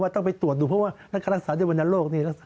ว่าต้องไปตรวจดูเพราะว่ารักษาได้วันโรคนี่